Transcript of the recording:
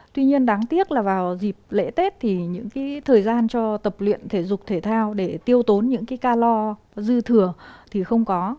tuy nhiên đáng tiếc là vào dịp lễ tết thì những cái thời gian cho tập luyện thể dục thể thao để tiêu tốn những cái ca lo dư thừa thì không có